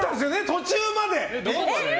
途中まで！